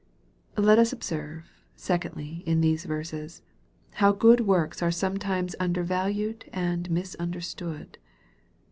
Let us observe, secondly, in these verses, how good works are sometimes undervalued and misundertsood.